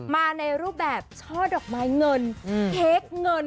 มาในรูปแบบช่อดอกไม้เงินเค้กเงิน